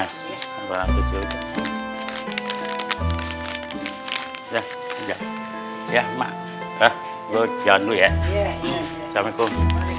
ya maka gue jalan ya assalamualaikum